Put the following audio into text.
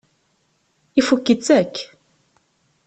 Ifukk-itt akk.